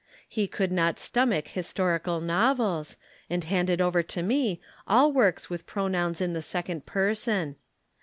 He could not stomach historical novels, and handed over to me all works with pronouns in the second person.